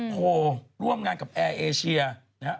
โพลร่วมงานกับแอร์เอเชียนะฮะ